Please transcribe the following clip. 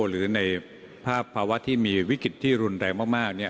หรือในภาวะที่มีวิกฤติที่รุนแรงมากเนี่ย